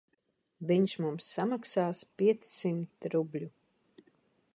Viņš mums samaksās piecsimt rubļu.